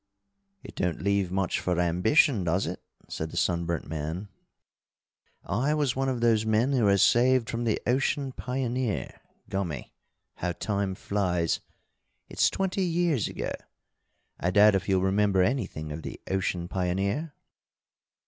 "It don't leave much for ambition, does it?" said the sunburnt man. "I was one of those men who were saved from the Ocean Pioneer. Gummy! how time flies! It's twenty years ago. I doubt if you'll remember anything of the Ocean Pioneer?"